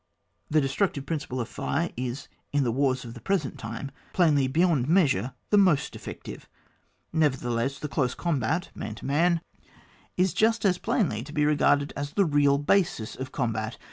The destructive principle of fire is in the wars of the present time plainly be yond measure the most effective ; never theless, the close combat, man to man, 6 ON WAR. [book ▼. is just as plainly to be regarded as the real basis of combat.